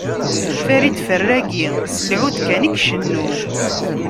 Farid Ferragi s lɛud kan i icennu.